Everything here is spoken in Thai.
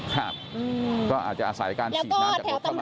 ครับก็อาจจะอาศัยการฉีดน้ำจากรถเข้ามา